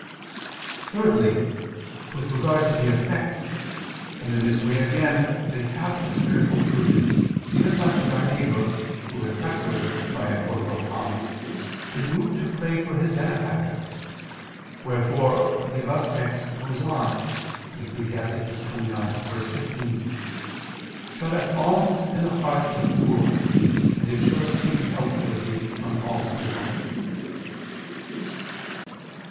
Thirdly, with regard to the effect, and in this way again, they have a spiritual fruit, inasmuch as our neighbor, who is succored by a corporal alms, is moved to pray for his benefactor; wherefore the above text goes on (Ecclus. 29:15): "Shut up alms in the heart of the poor, and it shall obtain help for thee from all evil."